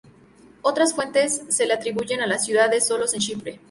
Otras fuentes se la atribuyen a la ciudad de Solos en Chipre.